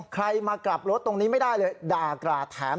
ใครมากลับรถตรงนี้ไม่ได้เลยด่ากราดแถม